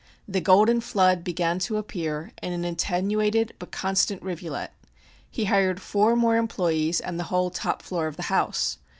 The golden flood began to appear in an attenuated but constant rivulet. He hired four more employees and the whole top floor of the house.